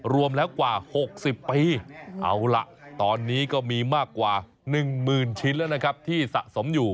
รวมแล้วกว่า๖๐ปีเอาล่ะตอนนี้ก็มีมากกว่า๑หมื่นชิ้นแล้วนะครับที่สะสมอยู่